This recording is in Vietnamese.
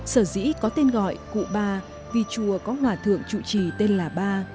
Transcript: sở dĩ có tên gọi cụ ba vì chùa có hòa thượng trụ trì tên là ba